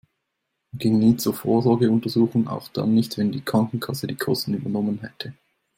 Er ging nie zur Vorsorgeuntersuchung, auch dann nicht, wenn die Krankenkasse die Kosten übernommen hätte.